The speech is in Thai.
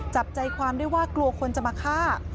จับใจความได้ว่ากลัวคนจะมาฆ่า